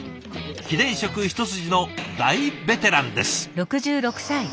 機電職一筋の大ベテランです。